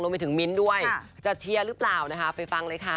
มิ้นท์ด้วยจะเชียร์หรือเปล่านะคะไปฟังเลยค่ะ